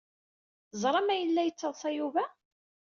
Tezram ayen la yettadṣa Yuba?